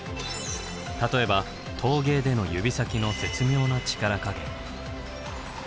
例えば陶芸での指先の絶妙な力加減。